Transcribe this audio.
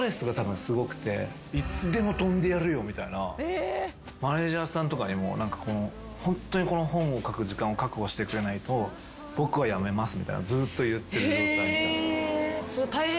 「いつでも飛んでやるよ」みたいなマネジャーさんとかにもホントにこの本を書く時間を確保してくれないと僕は辞めますみたいなのずっと言ってる状態。